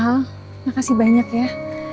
al makasih banyak ya